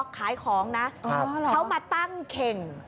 ขายของนะเขามาตั้งเข่ง